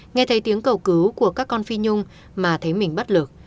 nghe thấy tiếng cầu cứu của các con phi nhung mà thấy mình bất lực